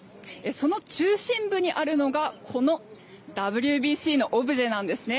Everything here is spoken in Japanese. その中心部にあるのがＷＢＣのオブジェなんです。